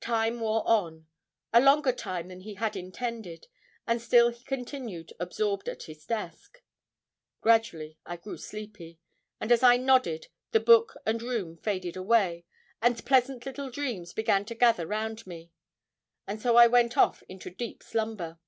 Time wore on a longer time than he had intended, and still he continued absorbed at his desk. Gradually I grew sleepy, and as I nodded, the book and room faded away, and pleasant little dreams began to gather round me, and so I went off into a deep slumber.